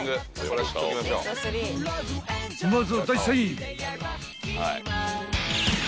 ［まずは第３位］